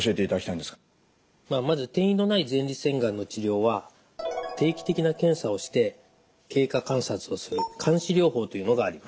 まあまず転移のない前立腺がんの治療は定期的な検査をして経過観察をする監視療法というのがあります。